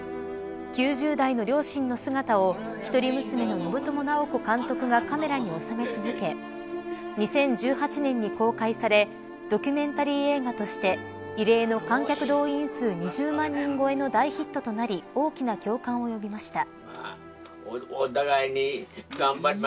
９０代の両親の姿を１人娘の信友直子監督がカメラに収め続け２０１８年に公開されドキュメンタリー映画として異例の観客動員数２０万人超えの大ヒットとなり大きな共感を呼びました。